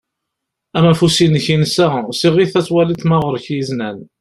Amafus-inek insa. Siɣ-it ad twaliḍ ma ɣer-k izenan.